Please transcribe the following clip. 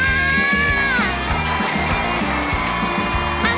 ยี่หอยัง